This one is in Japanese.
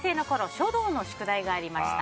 書道の宿題がありました。